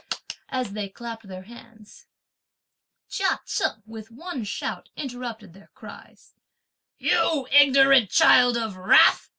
as they clapped their hands. Chia Cheng, with one shout, interrupted their cries, "You ignorant child of wrath!"